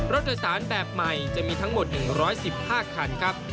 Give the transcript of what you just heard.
รถโดยสารแบบใหม่จะมีทั้งหมด๑๑๕คันครับ